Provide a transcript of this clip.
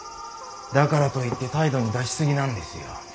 だからといって態度に出し過ぎなんですよ。